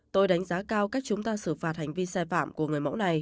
tôi đánh giá cao cách chúng ta xử phạt hành vi sai phạm của người mẫu này